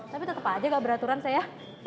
tapi tetap aja gak beraturan saya